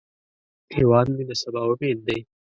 هیواد مې د سبا امید دی